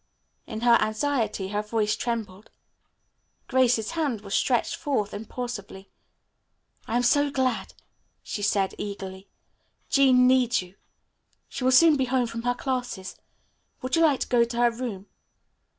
In her anxiety, her voice trembled. Grace's hand was stretched forth impulsively. "I am so glad," she said eagerly. "Jean needs you. She will soon be home from her classes. Would you like to go to her room?"